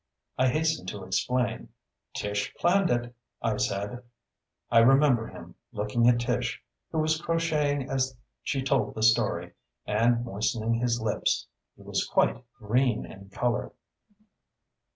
I hastened to explain. "Tish planned it," I said. I remember him, looking at Tish who was crocheting as she told the story and moistening his lips. He was quite green in color.